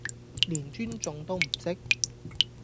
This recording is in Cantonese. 連尊重都唔識